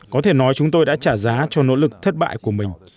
có thể nói chúng tôi đã trả giá cho nỗ lực thất bại của mình